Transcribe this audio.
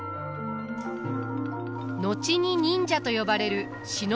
後に忍者と呼ばれる忍びの者。